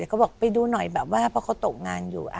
เขาบอกไปดูหน่อยแบบว่าเพราะเขาตกงานอยู่